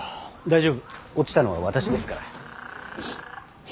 大丈夫落ちたのは私ですから。